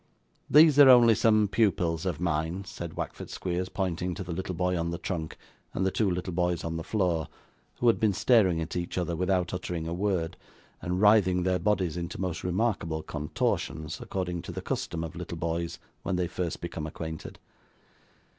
'These are only some pupils of mine,' said Wackford Squeers, pointing to the little boy on the trunk and the two little boys on the floor, who had been staring at each other without uttering a word, and writhing their bodies into most remarkable contortions, according to the custom of little boys when they first become acquainted.